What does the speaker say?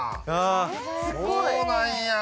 そうなんや。